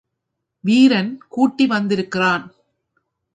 வீரன் கூட்டி வந்திருக்கிறான்.